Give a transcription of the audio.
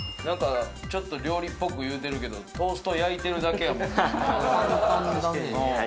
ちょっと料理っぽく言うてるけどトースト焼いてるだけやもんな